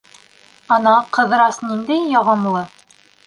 Ана, Ҡыҙырас ниндәй яғымлы.